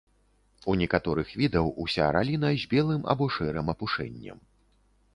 У некаторых відаў уся раліна з белым або шэрым апушэннем.